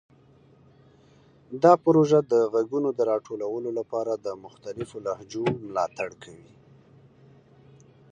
دا پروژه د غږونو د راټولولو لپاره د مختلفو لهجو ملاتړ کوي.